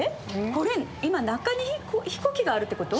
これ今中に飛行機があるってこと？